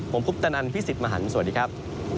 ผมคุปตะนันพี่สิทธิ์มหันฯสวัสดีครับ